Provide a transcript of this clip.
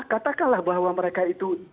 katakanlah bahwa mereka itu